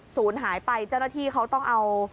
ศูนย์หายไปเจ้าหน้าที่เขาต้องเอา